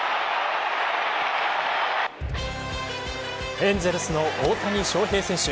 エンゼルスの大谷翔平選手。